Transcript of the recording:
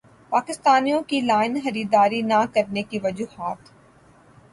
پاکستانیوں کی لائن خریداری نہ کرنے کی وجوہات